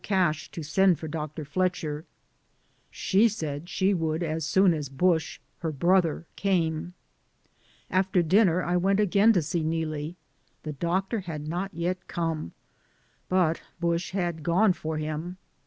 171 Cash to send for Dr. Fletcher. She said she would as soon as Bush — her brother — came. After dinner I went again to see Neelie; the doctor had not yet come, but Bush had gone for him.